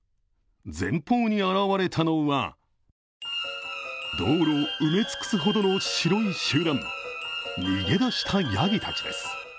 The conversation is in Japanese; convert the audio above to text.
前方に現れたのは道路を埋め尽くすほどの白い集団、逃げ出したやぎたちです。